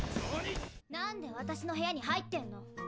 なんで私の部屋に入ってんの？